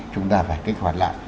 chúng ta phải kích hoạt lại